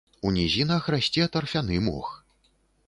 У нізінах расце тарфяны мох.